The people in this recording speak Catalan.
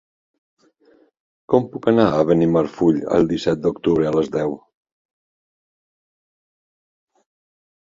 Com puc anar a Benimarfull el disset d'octubre a les deu?